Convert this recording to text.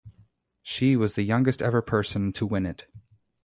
She was the youngest ever person to win it.